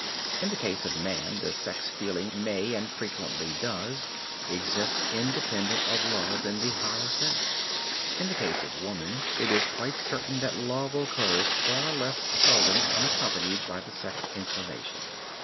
In the case of man the sex feeling may, and frequently does exist independent of love in the higher sense; in the case of woman it is quite certain that love occurs far less seldom unaccompanied by the sex inclination.